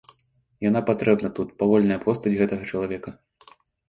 Яна патрэбна тут, павольная постаць гэтага чалавека.